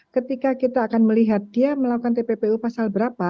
ketika kita akan melihat dia melakukan tppu pasal berapa